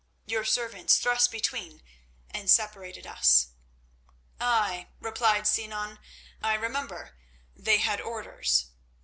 "Your servants thrust between and separated us." "Ay," replied Sinan, "I remember; they had orders.